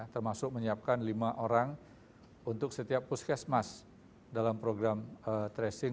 termasuk menyiapkan lima orang untuk setiap puskesmas dalam program tracing